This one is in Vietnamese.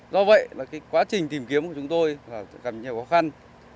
do vậy quá trình tìm kiếm của chúng tôi gần nhiều khó khăn